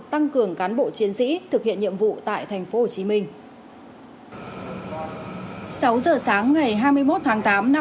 tăng cường cán bộ chiến sĩ thực hiện nhiệm vụ tại tp hcm